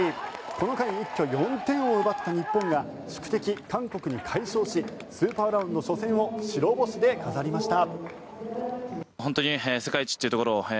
この回、一挙４点を奪った日本が宿敵・韓国に快勝しスーパーラウンド初戦を白星で飾りました。